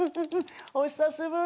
お久しぶり。